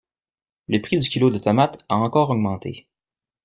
Le prix du kilo de tomates a encore augmenté.